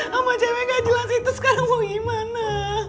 sampai gak jelas itu sekarang mau gimana